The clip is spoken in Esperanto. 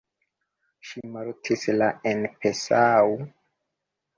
Ŝi mortis la en Passau.